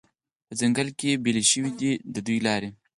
په ځنګله کې بیلې شوې دي دوې لارې